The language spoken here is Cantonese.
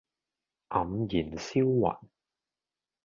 黯然銷魂